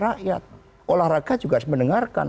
rakyat olahraga juga harus mendengarkan